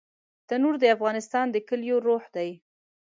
تنور د افغانستان د کليو روح دی